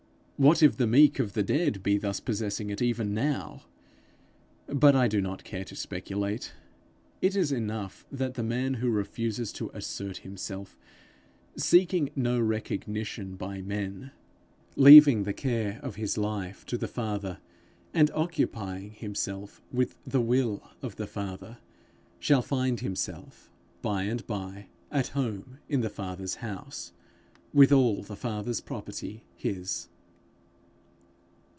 What if the meek of the dead be thus possessing it even now! But I do not care to speculate. It is enough that the man who refuses to assert himself, seeking no recognition by men, leaving the care of his life to the Father, and occupying himself with the will of the Father, shall find himself, by and by, at home in the Father's house, with all the Father's property his.